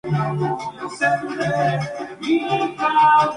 Esta tensión se mantuvo durante las primeras Asambleas Nacionalistas.